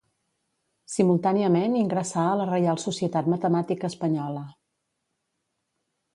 Simultàniament ingressà a la Reial Societat Matemàtica Espanyola.